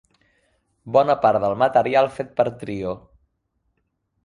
Bona part del material fet per Trio!